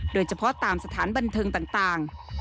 โดยเฉพาะตามสถานบันเทิงต่าง